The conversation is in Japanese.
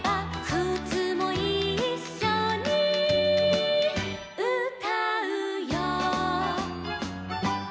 「くつもいっしょにうたうよ」